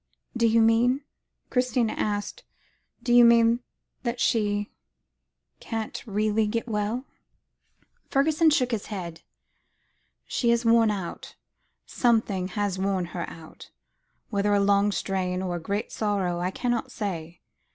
"Do you mean," Christina asked; "do you mean that she can't get really well?" Fergusson shook his head. "She is worn out; something has worn her out; whether a long strain, or a great sorrow, I cannot say.